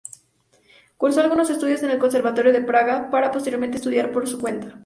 Cursó algunos estudios en el Conservatorio de Praga para posteriormente estudiar por su cuenta.